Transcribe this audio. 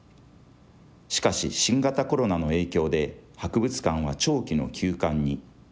しかし新型コロナの影響で、博物館は長期の休館に。